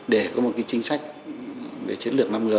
để có một chính sách về chiến lược năm g